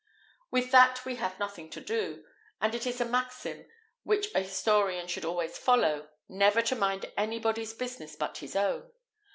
With that we have nothing to do; and it is a maxim which a historian should always follow, never to mind anybody's business but his own.